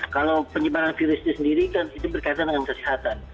kalau penyebaran virusnya sendiri kan itu berkaitan dengan kesehatan